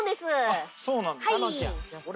あっそうなんだ。